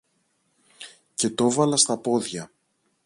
και το 'βαλα στα πόδια.